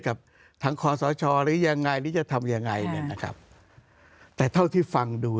กับทางคอสชหรือยังไงหรือจะทำยังไงเนี่ยนะครับแต่เท่าที่ฟังดู